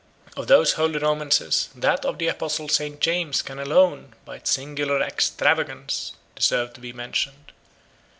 175 Of these holy romances, that of the apostle St. James can alone, by its singular extravagance, deserve to be mentioned.